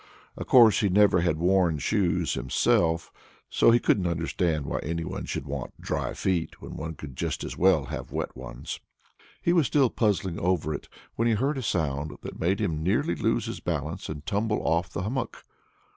Of course he never had worn shoes himself, so he couldn't understand why any one should want dry feet when they could just as well have wet ones. He was still puzzling over it when he heard a sound that made him nearly lose his balance and tumble off the hummock.